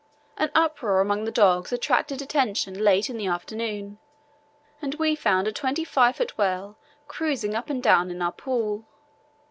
An uproar among the dogs attracted attention late in the afternoon, and we found a 25 ft. whale cruising up and down in our pool.